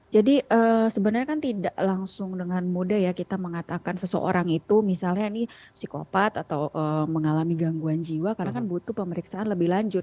jadi sebenarnya kan tidak langsung dengan mudah ya kita mengatakan seseorang itu misalnya ini psikopat atau mengalami gangguan jiwa karena kan butuh pemeriksaan lebih lanjut